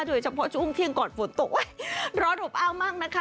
โดยเฉพาะช่วงเที่ยงก่อนฝนตกร้อนอบอ้าวมากนะคะ